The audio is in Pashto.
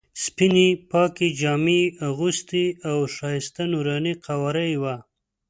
سپینې پاکې جامې یې اغوستې او ښایسته نوراني قواره یې وه.